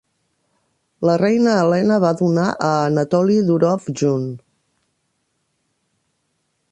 La Reina Elena va donar a Anatoly Durov Jun.